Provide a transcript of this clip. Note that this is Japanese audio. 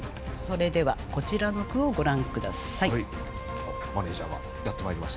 それではこちらの句をご覧下さい。